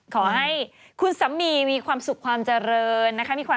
ขอให้คุณสามีมีความสุขความเจริญนะคะ